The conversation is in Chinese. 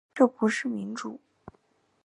这不是民主